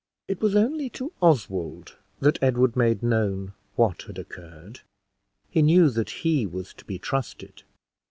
It was only to Oswald that Edward made known what had occurred; he knew that he was to be trusted.